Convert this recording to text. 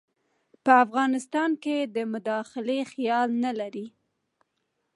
په افغانستان کې د مداخلې خیال نه لري.